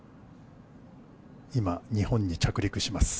今、日本に着陸します。